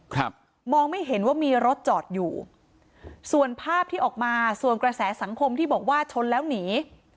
ครับมองไม่เห็นว่ามีรถจอดอยู่ส่วนภาพที่ออกมาส่วนกระแสสังคมที่บอกว่าชนแล้วหนี